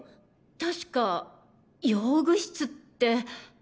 確か用具室って。